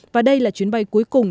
và đây là chuyến bay cuối cùng